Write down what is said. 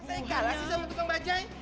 masa eka lasis sama tukang bajaj